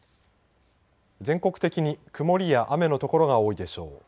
全国的に曇りや雨の所が多いでしょう。